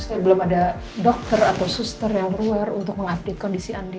supaya belum ada dokter atau suster yang aware untuk mengupdate kondisi andi